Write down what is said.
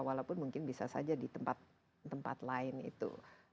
walaupun mungkin bisa saja di tempat lain itu